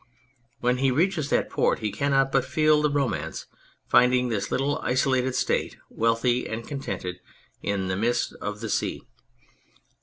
When he reaches that port he cannot but feel the Romance, finding this little isolated State wealthy and contented in the midst of the sea.